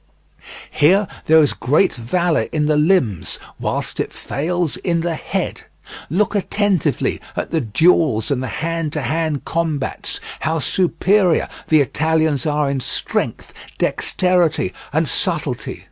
Here there is great valour in the limbs whilst it fails in the head. Look attentively at the duels and the hand to hand combats, how superior the Italians are in strength, dexterity, and subtlety.